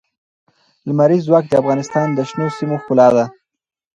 لمریز ځواک د افغانستان د شنو سیمو ښکلا ده.